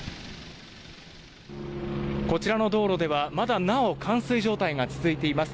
こちらの道路ではまだなお冠水状態が続いています。